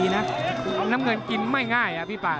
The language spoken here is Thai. น้ำเงินกินไม่ง่ายพี่ป่า